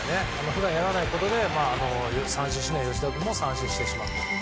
普段やらないことで三振しない吉田君も三振してしまった。